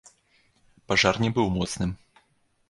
Пажар не быў моцным.